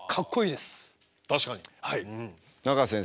確かに。